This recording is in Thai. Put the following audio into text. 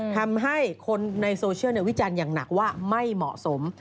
ทำให้คนในโซเชียลวิจารณ์อย่างหนักว่าไม่เหมาะสม